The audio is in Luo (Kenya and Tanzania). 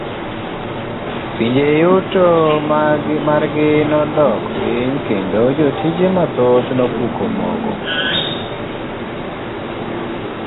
Pinje yuto margi nodok piny kendo jotije mathoth nopuko mogo.